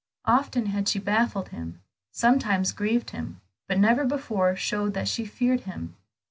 Often had she baffled him, sometimes grieved him, but never before showed that she feared him.